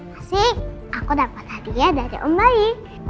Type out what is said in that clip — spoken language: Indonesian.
masih aku dapat hadiah dari mbaik